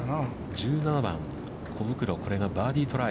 １７番、小袋、これがバーディートライ。